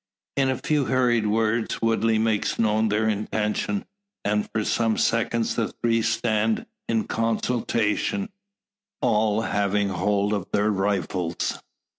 In a few hurried words Woodley makes known their intention; and for some seconds the three stand in consultation, all having hold of their rifles.